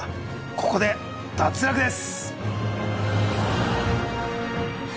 ここで脱落です